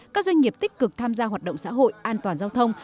các doanh nghiệp tích cực tham gia hoạt động xã hội an toàn giao thông